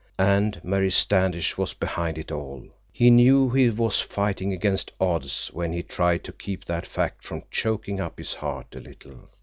And Mary Standish was behind it all! He knew he was fighting against odds when he tried to keep that fact from choking up his heart a little.